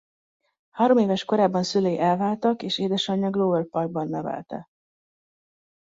Hároméves korában szülei elváltak és édesanyja Glover Parkban nevelte.